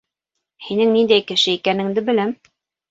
Һинең ниндәй кеше икәнеңде беләм.